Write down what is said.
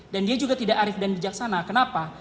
dan dia juga tidak arif dan bijaksana kenapa